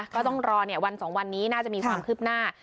ก็ต้องรอวัน๒วันนี้น่าจะมีความคืบหน้า